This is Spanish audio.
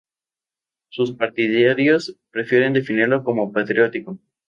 Sus partidarios prefieren definirlo como patriótico.